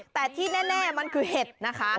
แต่ที่แน่มันคือเห็ดนะคะ